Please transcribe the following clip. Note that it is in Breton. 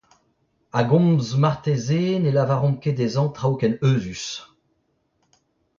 A-gomz marteze ne lavaromp ket dezhañ traoù ken euzhus.